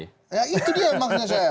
ya itu dia emangnya saya